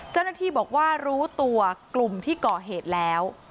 เจ้าหน้าที่บอกว่ารู้ตัวกลุ่มที่ก่อเหตุแล้ว